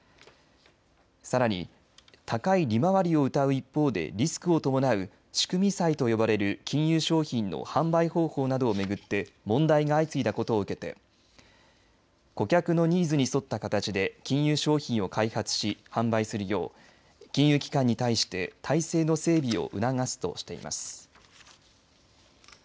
さらに高い利回りをうたう一方でリスクを伴う仕組み債と呼ばれる金融商品の販売方法などを巡って問題が相次いだことを受けて顧客のニーズに沿った形で金融商品を開発し販売するよう金融機関に対して態勢の整備を促すとしています。